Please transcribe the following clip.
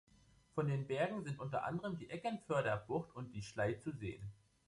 Von den Bergen sind unter anderem die Eckernförder Bucht und die Schlei zu sehen.